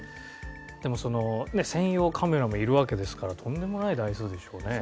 でもその専用カメラもいるわけですからとんでもない台数でしょうね。